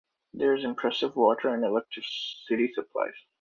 There is impressive water and electricity supply.